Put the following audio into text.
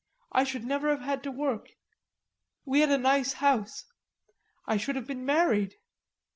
I should never have had to work. We had a nice house. I should have been married...."